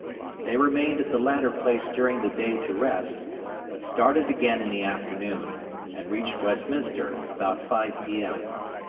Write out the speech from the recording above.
They remained at the latter place during the day to rest, but started again in the afternoon, and reached Westminster about 5 P.M.